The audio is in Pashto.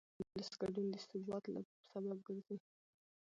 د ولس ګډون د ثبات سبب ګرځي